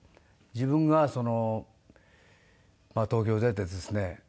自分が東京出てですね